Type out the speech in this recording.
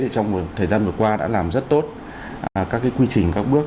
trong thời gian vừa qua đã làm rất tốt các quy trình các bước